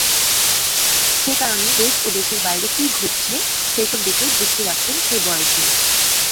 সে কারণে দেশ ও দেশের বাইরে কী ঘটছে, সেসব বিষয়ে দৃষ্টি রাখতেন সে বয়সেই।